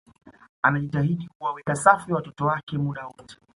anajitahidi kuwaweka safi watoto wake muda wote